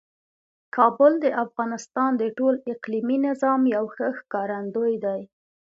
کابل د افغانستان د ټول اقلیمي نظام یو ښه ښکارندوی دی.